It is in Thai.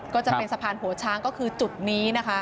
ก็จะเป็นสะพานหัวช้างก็คือจุดนี้นะคะ